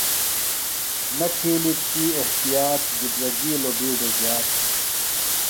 نہ تِھیلیۡ تی احتیاط، بِدرگِیلوۡ بِیڈوۡ زِیات